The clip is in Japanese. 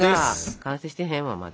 完成してへんわまだ。